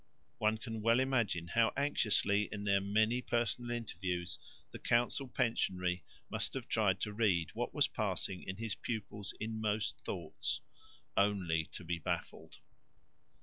One can well imagine how anxiously in their many personal interviews the council pensionary must have tried to read what was passing in his pupil's inmost thoughts, only to be baffled.